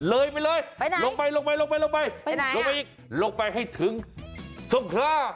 เลยไปเลยลงไปลงไปอีกลงไปให้ถึงส่งคร่า